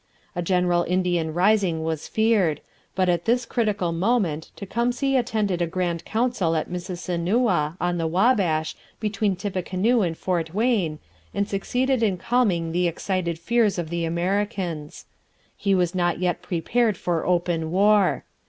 A general Indian rising was feared; but at this critical moment Tecumseh attended a grand council at Mississinewa, on the Wabash, between Tippecanoe and Fort Wayne, and succeeded in calming the excited fears of the Americans. He was not yet prepared for open war.